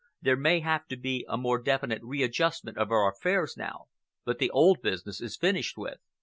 There may have to be a more definite readjustment of our affairs now, but the old business is finished with."